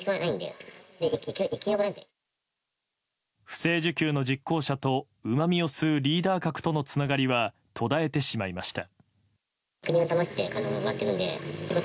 不正受給の実行者とうまみを吸うリーダー格とのつながりは途絶えてしまいました。